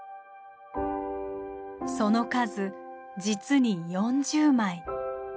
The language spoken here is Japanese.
その数実に４０枚。